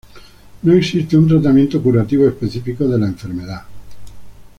No existe un tratamiento curativo específico de la enfermedad.